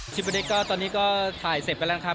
ชิปเด็กตอนนี้ก็ถ่ายเสร็จไปแล้วครับ